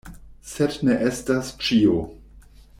Sed ne estas ĉio.